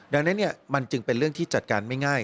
ดังนั้นมันจึงเป็นเรื่องที่จัดการไม่ง่าย